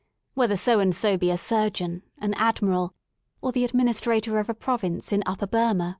whether So and So be a surgeon, an ad miral, or the administrator of a province in Upper Burma.